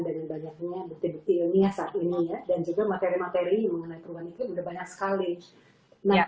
dari banyaknya bukti bukti ilmiah saat ini ya dan juga materi materi mengenai perubahan iklim